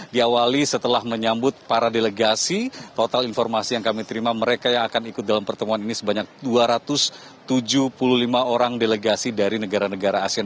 diawali setelah menyambut para delegasi total informasi yang kami terima mereka yang akan ikut dalam pertemuan ini sebanyak dua ratus tujuh puluh lima orang delegasi dari negara negara asean